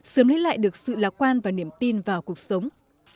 sớm lấy lại được sự lạc quan và niềm tin vào cuộc sống